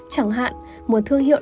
chẳng hạn một thương hiệu